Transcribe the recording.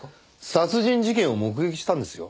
殺人事件を目撃したんですよ？